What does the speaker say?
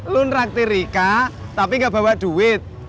lu neraktir rika tapi gak bawa duit